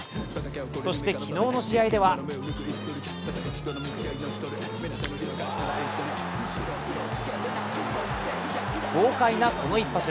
そして、昨日の試合では豪快なこの１発。